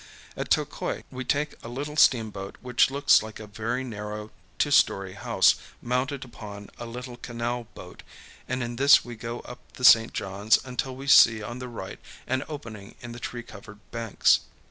At Tocoi we take a small steamboat which looks like a very narrow two story house mounted upon a little canal boat, and in this we go up the St. John's until we see on the right an opening in the tree covered banks.